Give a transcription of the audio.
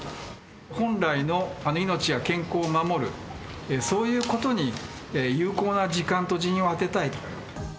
本来の命や健康を守る、そういうことに有効な時間と人員を充てたいと。